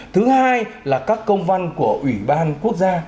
thứ hai là các công văn của ủy ban quốc gia